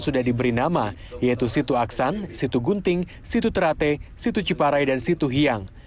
sudah diberi nama yaitu situ aksan situ gunting situ terate situ ciparai dan situhiang